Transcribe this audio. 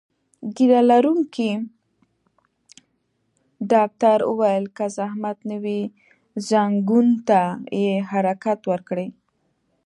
ږیره لرونکي ډاکټر وویل: که زحمت نه وي، ځنګون ته یې حرکت ورکړئ.